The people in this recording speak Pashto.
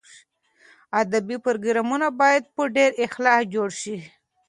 ادبي پروګرامونه باید په ډېر اخلاص جوړ شي.